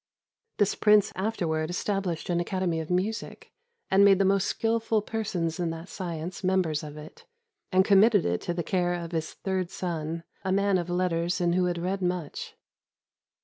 This prince afterwards established an academy of music, and made the most skillful persons in that science members of it, and committed it to the care of his third son, a man of letters and who had read much.